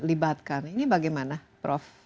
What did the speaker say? ini bagaimana prof